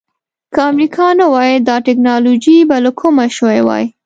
که امریکا نه وای دا ټکنالوجي به له کومه شوې وای.